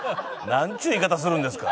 なんちゅう言い方するんですか。